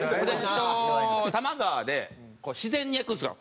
多摩川で自然に焼くんですよ。